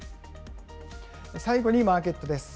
最後にマーケットです。